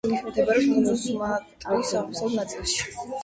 მდებარეობს კუნძულ სუმატრის აღმოსავლეთ ნაწილში.